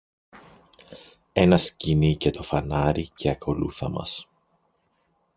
ένα σκοινί και το φανάρι, και ακολούθα μας